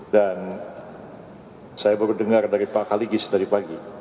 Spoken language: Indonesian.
dan saya baru dengar dari pak kaligis tadi pagi